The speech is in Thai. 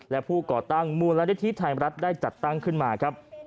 และผู้ก่อตั้งมูลนิธิไทยรัฐได้จัดตั้งขึ้นมาครับ